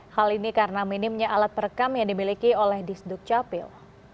hal ini karena minimnya alat perekam yang dimiliki oleh disduk capil